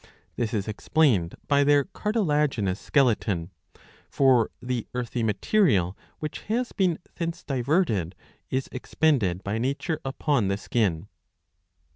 This is explained by their cartilaginous skeleton. For the earthy material which has been thence diverted is expended by nature upon the skin.